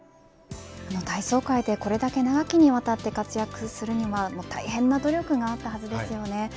体操界で、これだけ長きにわたって活躍するには大変な努力があったはずです。